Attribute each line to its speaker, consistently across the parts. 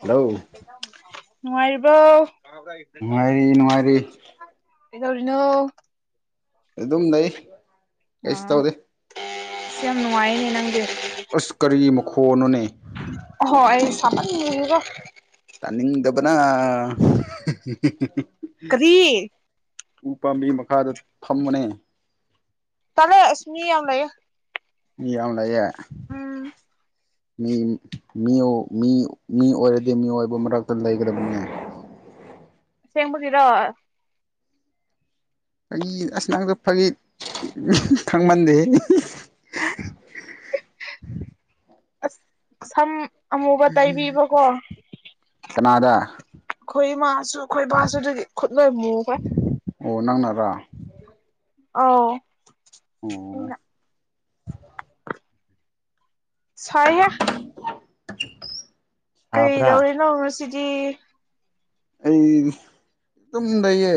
Speaker 1: hello
Speaker 2: ꯅꯨꯡꯉꯥꯏꯔꯤꯕꯣ
Speaker 1: ꯅꯨꯡꯉꯥꯏꯔꯤ ꯅꯨꯡꯉꯥꯏꯔꯤ
Speaker 2: ꯀꯩꯗꯧꯔꯤꯅꯣ
Speaker 1: ꯑꯗꯨꯝ ꯂꯩ ꯀꯩꯁꯨ ꯇꯧꯗꯦ
Speaker 2: ꯏꯁ ꯌꯥꯝꯝ ꯅꯨꯡꯉꯥꯏꯅ ꯅꯪꯗꯤ
Speaker 1: ꯑꯁ ꯀꯔꯤ ꯃꯈꯣꯟꯅꯣꯅꯦ
Speaker 2: ꯍꯣꯏ ꯁꯃꯟꯒ
Speaker 1: ꯇꯅꯤꯡꯗꯕꯅ
Speaker 2: ꯀꯔꯤ
Speaker 1: ꯎꯄꯥꯝꯕꯤ ꯃꯈꯥꯗ ꯐꯝꯃꯣꯅꯦ
Speaker 2: ꯇꯂꯦ ꯑꯁꯃꯤ ꯌꯥꯝ ꯂꯩꯌꯦ
Speaker 1: ꯃꯤ ꯌꯥꯝ ꯂꯩꯌꯦ
Speaker 2: ꯎꯝ
Speaker 1: ꯃꯤ ꯃꯤ ꯑꯣꯏꯔꯗꯤ ꯃꯤ ꯑꯣꯏꯕ ꯃꯔꯛꯇ ꯂꯩꯒꯗꯕꯅꯦ
Speaker 2: ꯑꯁꯦꯡꯕꯒꯤꯔꯣ
Speaker 1: ꯑꯩ ꯑꯁ ꯅꯪꯁꯨ ꯐꯒꯤ ꯈꯪꯃꯟꯗꯦꯍꯦ
Speaker 2: ꯑꯁ ꯁꯝ ꯑꯃꯨꯕ ꯇꯩꯕꯤꯕꯀꯣ
Speaker 1: ꯀꯅꯥꯒ
Speaker 2: ꯑꯩꯈꯣꯏ ꯏꯃꯥꯁꯨ ꯑꯩꯈꯣꯏ ꯕꯥꯁꯨ ꯑꯗꯨꯒꯤ ꯈꯨꯠ ꯂꯣꯏ ꯃꯨꯈ꯭ꯔꯦ
Speaker 1: ꯑꯣ ꯅꯪꯅꯔꯥ
Speaker 2: ꯑꯧ
Speaker 1: ꯑꯣ
Speaker 2: ꯑꯩꯅ ꯁꯥꯏꯍꯦ
Speaker 1: ꯁꯥꯕ꯭ꯔꯥ
Speaker 2: ꯀꯩꯗꯧꯔꯤꯅꯣ ꯉꯁꯤꯗꯤ
Speaker 1: ꯑꯩ ꯑꯗꯨꯝ ꯂꯩꯌꯦ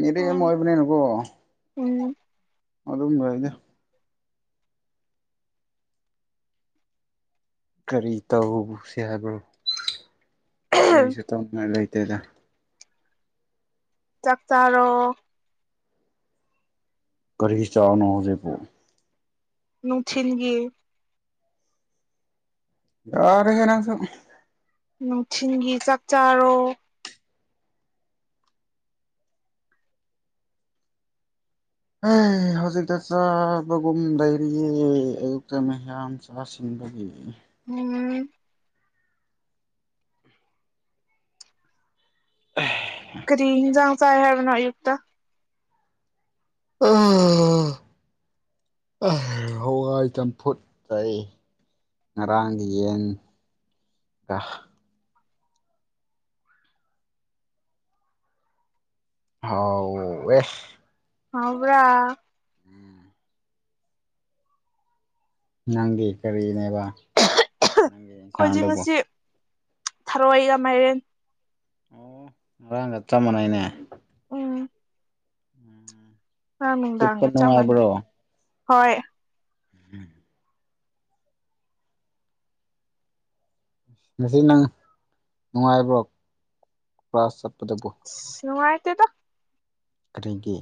Speaker 1: ꯃꯔꯦꯃ
Speaker 2: ꯎꯝ
Speaker 1: ꯑꯣꯏꯕꯅꯦꯅꯀꯣ
Speaker 2: ꯎꯝ
Speaker 1: ꯑꯗꯨꯝ ꯂꯩꯗ ꯀꯔꯤ ꯇꯧꯁꯦ ꯍꯥꯏꯕ꯭ꯔꯣ ꯀꯔꯤꯁꯨ ꯇꯧꯅꯤꯡꯉꯥꯏ ꯂꯩ ꯇꯦꯗ
Speaker 2: ꯆꯥꯛ ꯆꯥꯔꯣ
Speaker 1: ꯀꯔꯤ ꯆꯥꯛꯅꯣ ꯍꯧꯖꯤꯛꯄꯨ
Speaker 2: ꯅꯨꯡꯊꯤꯟꯒꯤ
Speaker 1: ꯌꯥꯔꯦ ꯍꯦ ꯅꯪꯁꯨ
Speaker 2: ꯅꯨꯡꯊꯤꯜꯒꯤ ꯆꯥꯛ ꯆꯥꯔꯣ
Speaker 1: ꯑꯦ ꯍꯧꯖꯤꯛꯇ ꯆꯥꯕꯒꯨꯝ ꯂꯩꯔꯤꯌꯦ ꯑꯌꯨꯛꯇ ꯃꯌꯥꯝ ꯆꯥꯁꯤꯟ ꯕꯒꯤ
Speaker 2: [unintelligible] ꯀꯔꯤ ꯏꯟꯖꯥꯡ ꯆꯥ ꯍꯥꯏꯕꯅꯣ ꯑꯌꯨꯛꯇ
Speaker 1: ꯑꯥ ꯑꯥ ꯍꯋꯥꯏ ꯆꯝꯐꯨꯠ ꯆꯥꯏꯌꯦ ꯉꯔꯥꯡꯒꯤ ꯌꯦꯟꯒ ꯍꯥꯎꯑꯦ
Speaker 2: ꯍꯥꯎꯕ꯭ꯔꯥ
Speaker 1: ꯅꯪꯒꯤ ꯀꯔꯤꯅꯦꯕ ꯅꯪꯒꯤ
Speaker 2: ꯑꯩꯈꯣꯏꯗꯤ
Speaker 1: ꯏꯟꯁꯥꯡꯗꯨꯕꯨ
Speaker 2: ꯉꯁꯤ ꯊꯔꯣꯏꯒ ꯃꯥꯏꯔꯦꯟ
Speaker 1: ꯑꯣ ꯉꯥꯔꯥꯡꯒ ꯆꯞ ꯃꯥꯟꯅꯩꯅꯦ
Speaker 2: ꯎꯝ ꯉꯔꯥꯡ
Speaker 1: ꯆꯨꯞꯄ
Speaker 2: ꯅꯨꯡꯗꯥꯡꯒ ꯆꯞ ꯃꯥꯟꯅꯩ
Speaker 1: ꯅꯨꯡꯉꯥꯏꯕ꯭ꯔꯣ
Speaker 2: ꯍꯣꯏ
Speaker 1: ꯎꯝ ꯉꯁꯤ ꯅꯪ ꯅꯨꯡꯉꯥꯏꯕ꯭ꯔꯣ ꯀ꯭ꯂꯥꯁ ꯆꯠꯄ
Speaker 2: ꯑꯁ ꯅꯨꯡꯉꯥꯏꯇꯦꯗ
Speaker 1: ꯀꯔꯤꯒꯤ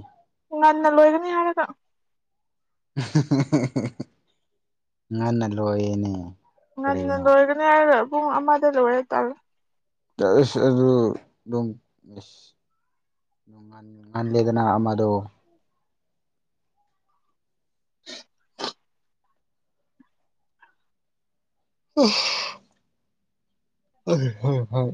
Speaker 2: ꯉꯟꯅ ꯂꯣꯏꯒꯅꯤ ꯍꯥꯏꯔꯒ
Speaker 1: ꯑꯍꯤꯛ ꯍꯤꯛ ꯉꯟꯅ ꯂꯣꯏꯌꯦꯅꯦ
Speaker 2: ꯉꯟꯅ
Speaker 1: ꯀꯔꯤꯅꯣ
Speaker 2: ꯂꯣꯏꯒꯅꯤ ꯍꯥꯏꯔ ꯄꯨꯡ ꯑꯃꯗ ꯂꯣꯏꯔꯦ ꯇꯧꯔꯤꯁꯦ
Speaker 1: ꯇꯁ ꯑꯗꯨ ꯑꯗꯨꯝ ꯅꯨꯡꯍꯜ ꯉꯂꯤꯗꯅ ꯑꯃꯗꯣ [unintelligible] ꯍꯣꯏ ꯍꯣꯏ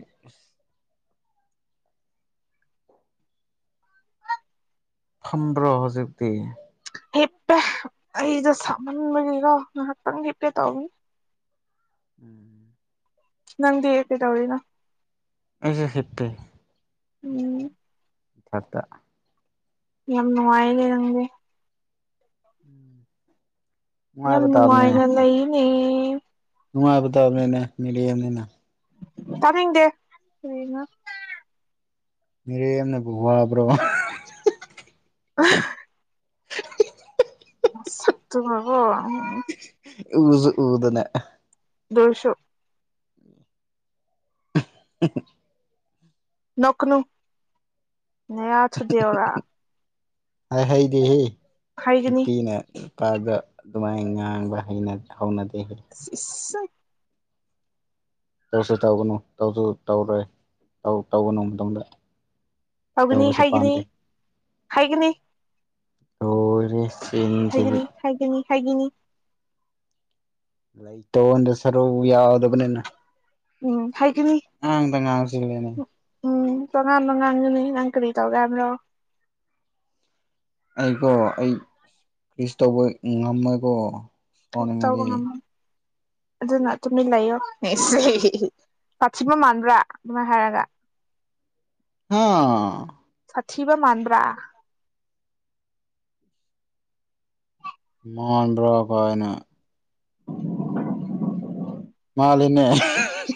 Speaker 1: ꯈꯪꯕ꯭ꯔꯣ ꯍꯧꯖꯤꯛꯇꯤ
Speaker 2: ꯍꯤꯞꯄꯦ ꯑꯩꯗꯣ ꯁꯥꯃꯟꯕꯒꯤꯀ ꯉꯥꯏꯍꯥꯛꯇꯪ ꯍꯤꯞꯀꯦ ꯇꯧꯕꯅꯤ
Speaker 1: ꯎꯝ
Speaker 2: ꯅꯪꯗꯤ ꯀꯩꯗꯧꯔꯤꯅꯣ
Speaker 1: ꯑꯩꯖꯦ ꯍꯤꯞꯄꯦ
Speaker 2: ꯎꯝ
Speaker 1: ꯐꯛꯇ
Speaker 2: ꯌꯥꯝ ꯅꯨꯡꯉꯥꯏꯅꯦ ꯅꯪꯗꯤ
Speaker 1: ꯎꯝ
Speaker 2: ꯌꯥꯝ ꯅꯨꯡꯉꯥꯏꯅ ꯂꯩꯅꯦ
Speaker 1: ꯅꯨꯡꯉꯥꯏꯕ ꯇꯥꯕꯅꯦ ꯃꯤꯔꯦꯝꯅꯤꯅ
Speaker 2: ꯇꯅꯤꯡꯗꯦ ꯀꯔꯤꯅꯣ
Speaker 1: ꯃꯤꯔꯦꯝꯅꯕꯨ ꯋꯥꯕ꯭ꯔꯣ
Speaker 2: ꯍꯥ ꯅꯁꯛꯇꯨꯀꯣ
Speaker 1: ꯎꯁꯨ ꯎꯗꯅꯦ
Speaker 2: ꯑꯗꯨꯏꯁꯨ
Speaker 1: [unintelligible]
Speaker 2: ꯅꯣꯛꯀꯅꯨ ꯅꯌꯥ ꯊꯨꯗꯦꯛꯎꯔ
Speaker 1: ꯍꯥꯏ ꯍꯩꯗꯦꯍꯦ
Speaker 2: ꯍꯥꯏꯒꯅꯤ
Speaker 1: ꯅꯨꯄꯤꯅ ꯄꯥꯗ ꯑꯗꯨꯃꯥꯏꯅ ꯉꯥꯡꯕ ꯍꯧꯅꯗꯦ
Speaker 2: ꯏꯁ
Speaker 1: ꯇꯧꯁꯨ ꯇꯧꯒꯅꯨ ꯇꯧꯁꯨ ꯇꯧꯔꯣꯏ ꯇꯧꯒꯅꯨ ꯃꯇꯝꯗ
Speaker 2: ꯇꯧꯒꯅꯤ ꯍꯥꯏꯒꯅꯤ ꯍꯥꯏꯒꯅꯤ
Speaker 1: [unintelligible]
Speaker 2: ꯍꯥꯏꯒꯅꯤ ꯍꯥꯏꯒꯅꯤ ꯍꯥꯏꯒꯅꯤ
Speaker 1: ꯂꯩꯇꯣꯟꯗ ꯁꯔꯨ ꯌꯥꯎꯗꯕꯅꯤꯅ
Speaker 2: ꯎꯝ ꯍꯥꯏꯒꯅꯤ
Speaker 1: ꯉꯥꯡꯗ ꯉꯥꯡꯁꯤꯜꯂꯦꯅꯦ
Speaker 2: ꯎꯝ ꯇꯔꯥꯃꯉꯅꯤ ꯅꯪ ꯀꯔꯤ ꯇꯧꯒꯦ ꯍꯥꯏꯕꯅꯣ
Speaker 1: ꯑꯩꯀꯣ ꯑꯩ ꯀꯤꯁ ꯇꯧꯕ ꯉꯝꯃꯣꯏꯀꯣ
Speaker 2: ꯀꯤꯁ ꯇꯧꯕ
Speaker 1: ꯁꯥꯎꯅꯤꯡꯉꯗꯤ
Speaker 2: ꯉꯝꯃꯣꯏ ꯑꯗꯨꯅ ꯇꯨꯃꯤꯟ ꯂꯩꯌꯣ ꯁꯊꯤꯕ ꯃꯥꯟꯕ꯭ꯔꯥ ꯑꯗꯨꯃꯥꯏ ꯍꯥꯏꯔꯒ
Speaker 1: ꯍꯥ
Speaker 2: ꯑꯊꯤꯕ ꯃꯥꯟꯕ꯭ꯔꯥ
Speaker 1: ꯃꯥꯟꯕ꯭ꯔ ꯀꯥꯏꯅ
Speaker 2: [inaudible]
Speaker 1: ꯃꯥꯜꯂꯦ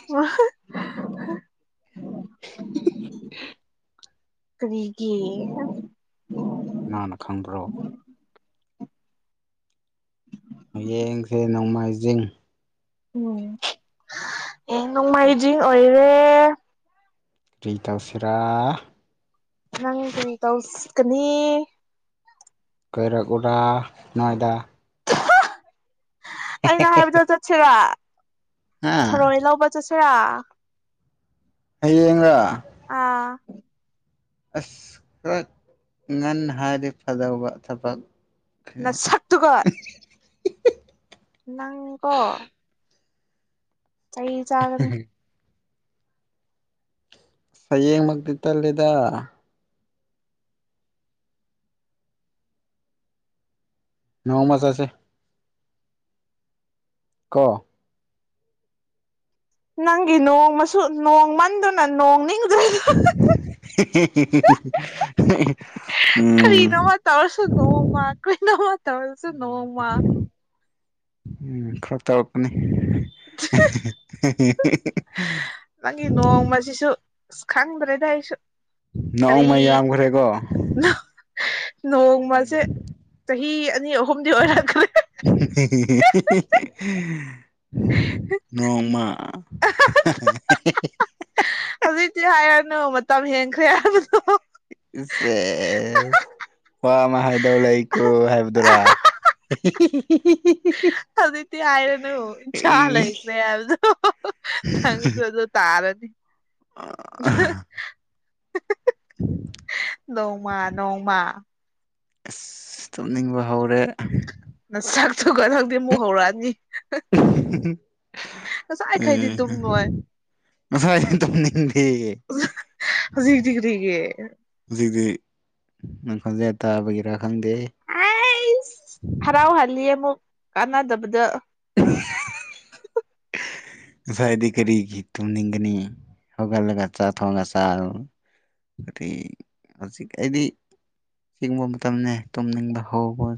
Speaker 2: [unintelligible] ꯀꯔꯤꯒꯤ
Speaker 1: ꯀꯅꯥꯅ ꯈꯪꯕ꯭ꯔꯣ ꯍꯌꯦꯡꯁꯦ ꯅꯣꯡꯃꯥꯏꯖꯤꯡ
Speaker 2: ꯎꯝ ꯑꯦ ꯅꯣꯡꯃꯥꯏꯖꯤꯡ ꯑꯣꯏꯔꯦ
Speaker 1: ꯀꯔꯤ ꯇꯧꯁꯤꯔꯥ
Speaker 2: ꯅꯪ ꯀꯔꯤ ꯇꯧꯁꯤꯀꯅꯤ
Speaker 1: ꯀꯣꯏꯔꯛꯎꯔ ꯅꯣꯏꯗꯥ
Speaker 2: ꯑꯩꯅ ꯍꯥꯏꯕꯗ ꯆꯠꯁꯤ
Speaker 1: ꯍꯥ
Speaker 2: ꯊꯔꯣꯏ ꯂꯧꯕ ꯆꯠꯁꯤꯔꯥ
Speaker 1: ꯍꯌꯦꯡꯔ
Speaker 2: ꯑꯥ
Speaker 1: ꯑꯁ ꯈꯔ ꯉꯟꯅ ꯍꯥꯏꯗꯤ ꯐꯗꯧꯕ ꯊꯕꯛ
Speaker 2: ꯅꯁꯛꯇꯨꯒ ꯅꯪꯀꯣ ꯆꯩꯆꯥꯒꯅꯤ
Speaker 1: ꯍꯌꯦꯡꯃꯛꯇꯤ ꯇꯜꯂꯦꯗ ꯅꯣꯡꯃ ꯆꯥꯠꯁꯦ ꯀꯣ
Speaker 2: ꯅꯪꯒꯤ ꯅꯣꯡꯃꯁꯨ ꯅꯣꯡꯃꯟꯗꯨꯅ ꯅꯣꯡ ꯅꯤꯡꯗ꯭ꯔꯦ
Speaker 1: ꯍꯦ ꯍꯦ ꯍꯦ ꯍꯦ
Speaker 2: ꯀꯔꯤꯅꯣꯃ ꯇꯧꯔꯁꯨ
Speaker 1: ꯍꯦ
Speaker 2: ꯅꯣꯡꯃ
Speaker 1: ꯎꯝ
Speaker 2: [unintelligible] ꯇꯧꯔꯁꯨ ꯅꯣꯡꯃ
Speaker 1: ꯎꯝ ꯈꯔ ꯇꯧꯔꯛꯀꯅꯤ
Speaker 2: ꯅꯪꯒꯤ ꯅꯣꯡꯃꯁꯤꯁꯨ
Speaker 1: [unintelligible]
Speaker 2: ꯑꯁ ꯈꯪꯗ꯭ꯔꯦꯗ ꯑꯩꯁꯨ ꯀꯔꯤ
Speaker 1: ꯅꯣꯡꯃ ꯌꯥꯝꯈ꯭ꯔꯦꯀꯣ ꯎꯝ
Speaker 2: ꯅꯣꯡꯃꯁꯦ ꯆꯍꯤ ꯑꯅꯤ ꯑꯍꯨꯝꯗꯤ ꯑꯣꯏꯔꯛꯀꯦ
Speaker 1: ꯍꯦ ꯍꯦ ꯍꯦ ꯅꯣꯡꯃ ꯍꯥ ꯍꯦ
Speaker 2: ꯍꯧꯖꯤꯛꯇꯤ ꯍꯥꯏꯔꯅꯨ ꯃꯇꯝ ꯍꯦꯟꯈ꯭ꯔꯦ ꯍꯥꯏꯕꯗꯣ
Speaker 1: ꯁꯦꯁ ꯋꯥ ꯑꯃ ꯍꯥꯏꯗꯧ ꯂꯩꯀꯣ ꯍꯥꯏꯕꯗꯨꯔꯥ [unintelligible]
Speaker 2: ꯍꯧꯖꯤꯛꯇꯤ ꯍꯥꯏꯔꯅꯨ ꯏꯆꯥ ꯂꯩꯈ꯭ꯔꯦ ꯍꯥꯏꯕꯗꯨ ꯅꯪꯁꯨ ꯑꯗꯨ ꯇꯔꯥꯅꯤ
Speaker 1: ꯑꯥ
Speaker 2: ꯅꯣꯡꯃ ꯅꯣꯡꯃ
Speaker 1: ꯑꯁ ꯇꯨꯝꯅꯤꯡꯕ ꯍꯧꯔꯦ
Speaker 2: ꯅꯁꯛꯇꯨꯒ ꯅꯪꯗꯤ ꯃꯨꯛ ꯍꯧꯔꯛꯑꯅꯤ ꯉꯁꯥꯏꯈꯩꯗꯤ ꯇꯨꯝꯃꯣꯏ
Speaker 1: ꯉꯁꯤꯏꯗꯤ ꯇꯨꯝꯅꯤꯡꯗꯦ ꯑꯦ
Speaker 2: ꯍꯧꯖꯤꯛꯇꯤ ꯀꯔꯤꯒꯤ
Speaker 1: ꯍꯧꯖꯤꯛꯇꯤ ꯅꯪ ꯈꯣꯟꯖꯦꯜ ꯇꯥꯕꯒꯤꯔ
Speaker 2: ꯑꯩꯁ ꯍꯔꯥꯎꯍꯜꯂꯤ ꯑꯃꯨꯛ ꯀꯥꯟꯅꯗꯕꯗ [unintelligible]
Speaker 1: ꯉꯁꯥꯏꯗꯤ ꯀꯔꯤꯒꯤ ꯇꯨꯝꯅꯤꯡꯒꯅꯤ ꯍꯧꯒꯠꯂꯒ ꯆꯥꯛ ꯊꯣꯡꯒ ꯆꯥꯔꯣ [unintelligible] ꯍꯧꯖꯤꯛ ꯑꯩꯗꯤ ꯢꯪꯕ ꯃꯇꯝꯅꯦ ꯇꯨꯝꯅꯤꯡꯕ ꯍꯧꯕ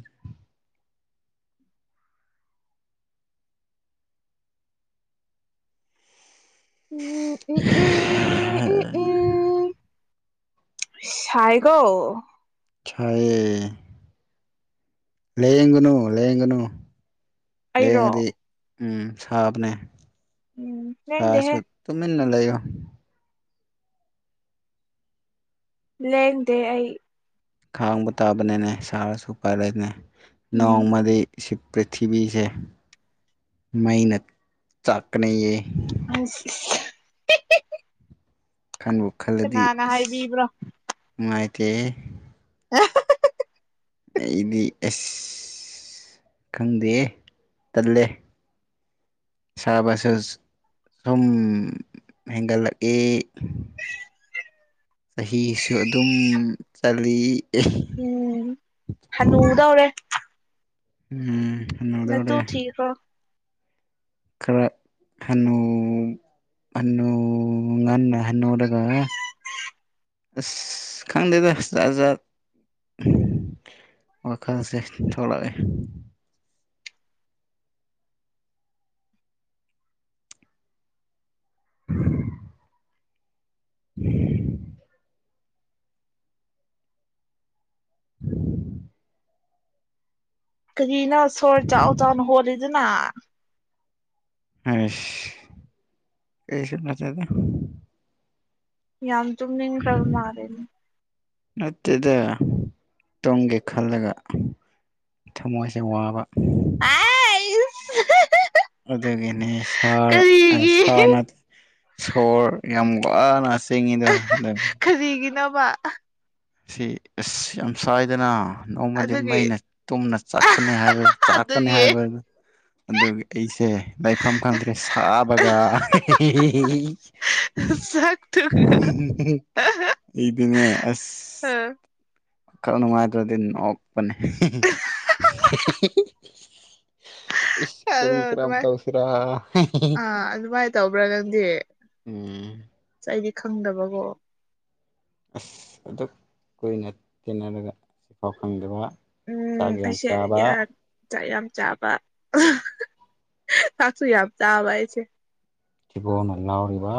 Speaker 2: ꯎꯝ ꯎꯝ ꯎꯝ ꯎꯝ ꯎꯝ ꯁꯥꯏꯒꯣ
Speaker 1: ꯁꯥꯏꯌꯦ ꯂꯌꯦꯡꯒꯨꯅꯨ ꯂꯥꯏꯌꯦꯡꯒꯅꯨ
Speaker 2: ꯑꯩꯔꯣ
Speaker 1: ꯂꯌꯦꯡꯉꯗꯤ ꯎꯝ ꯁꯥꯕꯅꯦ
Speaker 2: ꯎꯝ
Speaker 1: ꯁꯥꯁꯨ
Speaker 2: ꯂꯦꯡꯗꯦꯍꯦ
Speaker 1: ꯇꯨꯃꯤꯟꯅ ꯂꯩꯌꯣ
Speaker 2: ꯂꯦꯟꯗꯦ ꯑꯩ
Speaker 1: ꯈꯥꯡꯕ ꯇꯥꯕꯅꯤꯅꯦ ꯁꯥꯔꯁꯨ ꯎꯄꯥꯏ [unintelligible]
Speaker 2: ꯎꯝ
Speaker 1: ꯅꯣꯡꯃꯗꯤ ꯁꯤ ꯄ꯭ꯔꯤꯊꯤꯕꯤꯁꯦ ꯃꯩꯅ ꯆꯥꯛꯀꯅꯤꯌꯦ
Speaker 2: ꯑꯁ [unintelligible]
Speaker 1: ꯈꯟꯕꯨ ꯈꯜꯂꯗꯤ
Speaker 2: ꯀꯅꯥꯅ
Speaker 1: ꯑꯁ
Speaker 2: ꯍꯥꯏꯕꯤꯕ꯭ꯔꯣ
Speaker 1: ꯅꯨꯡꯉꯥꯏꯇꯦ
Speaker 2: [unintelligible]
Speaker 1: ꯑꯩꯗꯤ ꯑꯦꯁ ꯈꯪꯗꯦ ꯇꯜꯂꯦ ꯁꯥꯕꯁꯨꯁ ꯁꯨꯝ ꯍꯦꯟꯒꯜꯂꯛꯑꯦ ꯆꯍꯤꯁꯨ ꯑꯗꯨꯝ ꯆꯠꯂꯤ
Speaker 2: ꯎꯝ ꯍꯅꯨꯗꯧꯔꯦ
Speaker 1: ꯎꯝ
Speaker 2: ꯅꯇꯨ
Speaker 1: ꯍꯅꯨꯗꯧꯔꯦ
Speaker 2: ꯊꯤꯈ꯭ꯔꯣ
Speaker 1: ꯈꯔ ꯍꯅꯨ ꯍꯅꯨ ꯉꯟꯅ ꯍꯅꯨꯔꯒ ꯑꯁ ꯈꯪꯗꯦꯗ ꯖꯥꯠ ꯖꯥꯠ ꯋꯥꯈꯜꯁꯦ ꯊꯣꯛꯂꯛꯑꯦ [inaudible] [inaudible]
Speaker 2: ꯀꯔꯤꯅꯣ ꯁꯣꯔ ꯆꯥꯎ ꯆꯥꯎꯅ ꯍꯣꯜꯂꯤꯗꯨꯅ
Speaker 1: ꯑꯁ ꯀꯩꯁꯨ ꯅꯠꯇꯦꯗ
Speaker 2: ꯌꯥꯝꯅ ꯇꯨꯝꯅꯤꯡꯈꯔ ꯃꯥꯜꯂꯦꯅꯦ
Speaker 1: ꯅꯠꯇꯦꯗ ꯇꯨꯝꯒꯦ ꯈꯜꯂꯒ ꯊꯃꯣꯏꯁꯦ ꯋꯥꯕ
Speaker 2: [unintelligible]
Speaker 1: ꯑꯗꯨꯒꯤꯅꯦ ꯁꯥꯔ ꯑ
Speaker 2: ꯀꯔꯤꯒꯤ
Speaker 1: ꯁꯥꯔꯅ ꯁꯣꯔ ꯌꯥꯝ [unintelligible]
Speaker 2: ꯋꯥ
Speaker 1: ꯁꯤ ꯑꯁ ꯌꯥꯝ ꯁꯥꯏꯗꯅ ꯅꯣꯡꯃꯗꯤ
Speaker 2: ꯑꯗꯨꯒꯤ
Speaker 1: ꯃꯩꯅ ꯇꯨꯝꯅ ꯆꯥꯛꯀꯅꯤ ꯍꯥꯏꯕ ꯆꯥꯛꯀꯅꯤ
Speaker 2: ꯑꯗꯨꯒꯤ
Speaker 1: ꯍꯥꯏꯕ ꯑꯗꯨꯒꯤ ꯑꯩꯁꯦ ꯂꯥꯏꯐꯝ ꯈꯪꯗ꯭ꯔꯦ ꯁꯥꯕꯒ [unintelligible]
Speaker 2: ꯑꯁ ꯁꯛ
Speaker 1: [unintelligible] ꯑꯩꯗꯤꯅꯦ ꯑꯁ
Speaker 2: ꯎꯝ
Speaker 1: ꯈꯜ ꯅꯨꯡꯉꯥꯏꯇ꯭ꯔꯗꯤ ꯅꯣꯛꯄꯅꯦ ꯍꯦ ꯍꯦ [unintelligible] ꯏ
Speaker 2: ꯑꯗꯣ
Speaker 1: ꯀꯔꯤ ꯀ꯭ꯔꯝ
Speaker 2: ꯑꯗꯨꯃꯥꯏ
Speaker 1: ꯇꯨꯁꯤꯔꯥ ꯍꯦ ꯍꯦ ꯍꯦ
Speaker 2: ꯑꯥ ꯑꯗꯨꯃꯥꯏꯅ ꯇꯧꯕ꯭ꯔꯥ ꯅꯪꯗꯤ
Speaker 1: ꯎꯝ
Speaker 2: ꯑꯁ ꯑꯩꯗꯤ ꯈꯪꯗꯕꯀꯣ
Speaker 1: ꯑꯁ ꯑꯗꯨꯛ ꯀꯨꯏꯅ ꯇꯤꯟꯅꯔꯒ ꯁꯤꯐꯥꯎ ꯈꯪꯗꯕ
Speaker 2: ꯎꯝ
Speaker 1: ꯆꯥꯛ ꯌꯥꯝ
Speaker 2: ꯑꯩꯁꯦ
Speaker 1: ꯆꯥꯕ
Speaker 2: ꯌꯥ- ꯆꯥꯛ ꯌꯥꯝ ꯆꯥꯕ [unintelligible] ꯆꯥꯛꯁꯨ ꯌꯥꯝ ꯆꯥꯕ ꯑꯩꯁꯦ
Speaker 1: ꯊꯤꯕꯣꯡꯅ ꯂꯥꯎꯔꯤꯕ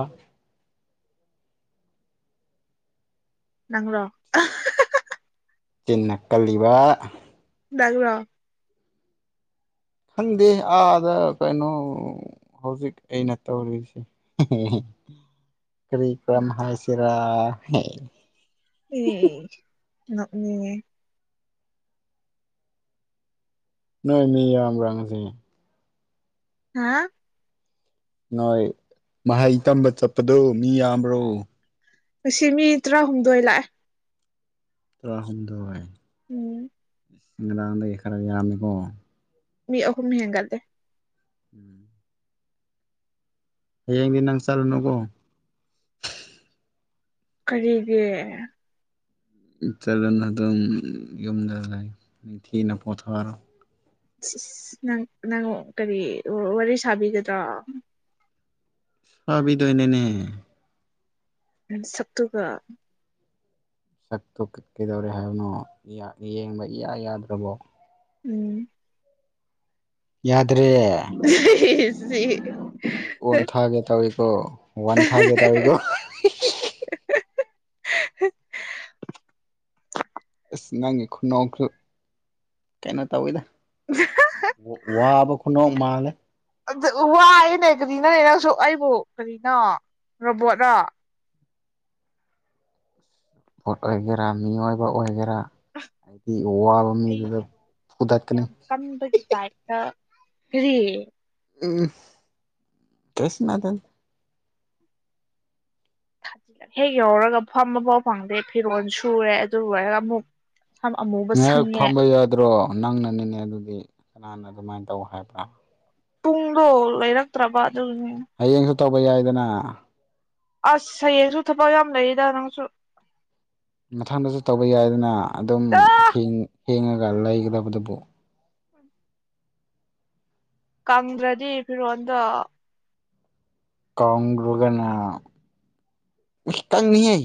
Speaker 2: ꯅꯪꯔꯣ
Speaker 1: ꯆꯤꯟꯅ ꯀꯜꯂꯤꯕ
Speaker 2: ꯅꯪꯔꯣ
Speaker 1: ꯈꯪꯗꯦ ꯑꯥꯗ ꯀꯩꯅꯣ ꯍꯧꯖꯤꯛ ꯑꯩꯅ ꯇꯧꯔꯤꯁꯦ
Speaker 2: [inaudible]
Speaker 1: ꯀꯔꯤ ꯀ꯭ꯔꯝ ꯍꯥꯏ ꯁꯤꯔ
Speaker 2: ꯑꯦꯁ ꯅꯣꯛꯅꯤꯡꯉꯦ
Speaker 1: ꯅꯣꯏ ꯃꯤ ꯌꯥꯝꯕ꯭ꯔꯥ ꯉꯁꯤ
Speaker 2: ꯍꯥꯥ
Speaker 1: ꯅꯣꯏ ꯃꯍꯩ ꯇꯝꯕ ꯆꯠꯄꯗꯣ ꯃꯤ ꯌꯥꯝꯕ꯭ꯔꯣ
Speaker 2: ꯉꯁꯤ ꯃꯤ ꯇꯔꯥꯍꯨꯝꯗꯣꯏ ꯂꯥꯛꯑꯦ
Speaker 1: ꯇꯔꯥꯍꯨꯝꯗꯣꯏ
Speaker 2: ꯎꯝ
Speaker 1: ꯉꯥꯔꯥꯡꯗꯒꯤ ꯈꯔ ꯌꯥꯝꯃꯦꯀꯣ
Speaker 2: ꯃꯤ ꯑꯍꯨꯝ ꯍꯟꯒꯠꯂꯦ
Speaker 1: [inaudible] ꯍꯌꯦꯡꯗꯤ ꯅꯪ ꯆꯠꯂꯨꯅꯨꯀꯣ
Speaker 2: ꯀꯔꯤꯒꯤ
Speaker 1: ꯆꯠꯂꯨꯅꯨ ꯑꯗꯨꯝ ꯌꯨꯝꯗꯗ ꯅꯤꯡꯊꯤꯅ ꯄꯣꯊꯥꯔꯣ
Speaker 2: ꯏꯁ ꯏꯁ ꯅꯪ ꯅꯪ ꯀꯔꯤ ꯋꯥꯔꯤ ꯁꯥꯕꯤꯒꯗ꯭ꯔꯣ
Speaker 1: ꯁꯥꯕꯤꯗꯨꯏꯅꯦꯅꯦ
Speaker 2: ꯅꯁꯛꯇꯨꯒ
Speaker 1: ꯁꯛꯇꯨ ꯀꯩꯗꯧꯔꯦ ꯍꯥꯏꯕꯅꯣ ꯌꯥ ꯌꯦꯡꯕ ꯏꯌꯥ ꯌꯥꯗ꯭ꯔꯕꯣ
Speaker 2: ꯎꯝ
Speaker 1: ꯌꯥ
Speaker 2: [unintelligible]
Speaker 1: ꯑꯣꯟ ꯊꯥꯒꯦ ꯇꯧꯋꯤꯀꯣ ꯋꯥꯟꯊꯒꯦ ꯇꯧꯋꯤꯀꯣ
Speaker 2: [unintelligible]
Speaker 1: ꯑꯁ ꯅꯪꯒꯤ ꯈꯨꯅꯣꯛꯇꯨ ꯀꯩꯅꯣ ꯇꯧꯋꯤꯗ ꯋꯥꯕ ꯈꯨꯅꯣꯛ ꯃꯥꯜꯂꯦ
Speaker 2: ꯑꯗꯨ ꯋꯥꯏꯅꯦ ꯀꯔꯤꯅꯣꯅꯦ ꯅꯪꯁꯨ ꯑꯩꯕꯨ ꯀꯔꯤꯅꯣ ꯔꯣꯕꯣꯠꯔꯣ
Speaker 1: ꯔꯣꯕꯣꯠ ꯑꯣꯏꯒꯦꯔꯥ ꯃꯤꯑꯣꯏꯕ ꯑꯣꯏꯒꯦꯔꯥ ꯍꯥꯏꯗꯤ ꯋꯥꯕ ꯃꯤꯗꯨꯗ
Speaker 2: ꯑꯩꯩꯅ
Speaker 1: ꯐꯨꯗꯠꯀꯅꯤ
Speaker 2: ꯌꯥꯝ ꯀꯟꯕꯒꯤ ꯇꯥꯏꯝꯇ ꯀꯔꯤ
Speaker 1: ꯎꯝ ꯀꯩꯁꯨ ꯅꯠꯇꯦꯗ
Speaker 2: ꯍꯦꯛ ꯌꯧꯔꯒ ꯐꯝꯕ ꯐꯥꯎ ꯐꯪꯗꯦ ꯐꯤꯔꯣꯜ ꯁꯨꯔꯦ ꯑꯗꯨ ꯂꯣꯏꯔꯒ ꯑꯃꯨꯛ ꯁꯝ ꯑꯃꯨꯕ
Speaker 1: ꯉꯥꯏꯍꯥꯛ
Speaker 2: ꯁꯪꯉꯦ
Speaker 1: ꯐꯝꯕ ꯌꯥꯗ꯭ꯔꯣ ꯅꯪꯅꯅꯤꯅꯦ ꯑꯗꯨꯗꯤ ꯀꯅꯥꯅ ꯑꯗꯨꯃꯥꯏꯅ ꯇꯧ ꯍꯥꯏꯕ꯭ꯔꯥ
Speaker 2: ꯄꯨꯡꯗꯣ ꯂꯩꯔꯛꯇ꯭ꯔꯕꯥ ꯑꯗꯨꯒꯤꯅꯤ
Speaker 1: ꯍꯌꯦꯡꯁꯨ ꯇꯧꯕ ꯌꯥꯏꯗꯅꯥ
Speaker 2: ꯑꯁ ꯍꯌꯦꯡꯁꯨ ꯊꯕꯛ ꯌꯥꯝ ꯂꯩꯔꯤꯗꯥ ꯅꯪꯁꯨ
Speaker 1: ꯃꯊꯪꯗꯖꯨ ꯇꯧꯕ ꯌꯥꯏꯗꯅꯥ ꯑꯗꯨꯝ ꯍꯤꯡ ꯍꯦꯡꯉꯒ ꯂꯩꯒꯗꯕꯗꯨꯕꯨ
Speaker 2: ꯀꯪꯗ꯭ꯔꯗꯤ ꯐꯤꯔꯣꯟꯗꯣ
Speaker 1: ꯀꯪꯗ꯭ꯔꯒꯅꯥ ꯏꯁ ꯄꯪꯉꯤꯍꯦ